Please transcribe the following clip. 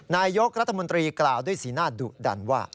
นายกรัฐมนตรีกล่าวด้วยสีหน้าดุดันว่า